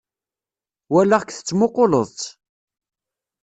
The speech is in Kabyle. Walaɣ-k tettmuquleḍ-tt.